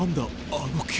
あの煙。